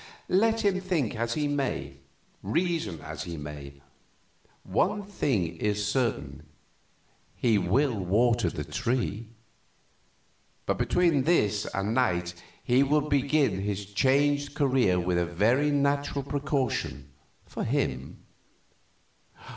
Let him think as he may, reason as he may, one thing is certain, he will water the tree. But between this and night he will begin his changed career with a very natural precaution for him."